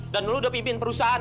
dan lu udah pimpin perusahaan